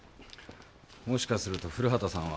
もしかすると古畑さんは。